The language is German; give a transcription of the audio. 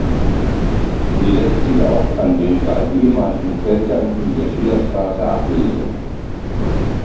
Sie lässt sich auch an den drei ehemaligen Keltern in der Schillerstraße ablesen.